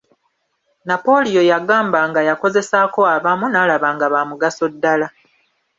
Napoleo yagamba nga yakozesaako abamu, n'alaba nga baamugaso ddala.